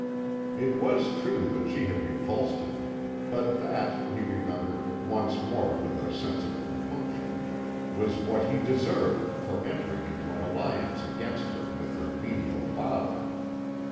It was true that she had repulsed him; but that, he remembered, once more with a sense of compunction, was what he deserved for entering into an alliance against her with her venial father.